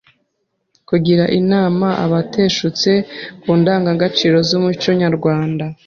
Kugira inama abateshutse ku ndangagaciro z’umuco nyarwanda;